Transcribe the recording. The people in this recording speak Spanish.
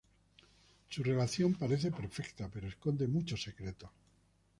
Su relación parece perfecta, pero esconde muchos secretos.